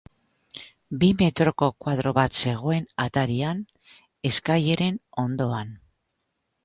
Bi metroko koadro bat zegoen atarian, eskaileren ondoan.